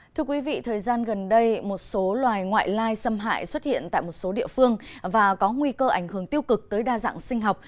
thưa quý vị thời gian gần đây một số loài ngoại lai xâm hại xuất hiện tại một số địa phương và có nguy cơ ảnh hưởng tiêu cực tới đa dạng sinh học